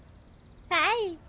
はい！